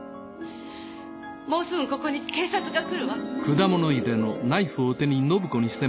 もうすぐここに警察が来るわ。